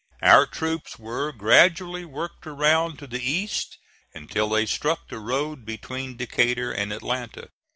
Our troops were gradually worked around to the east until they struck the road between Decatur and Atlanta.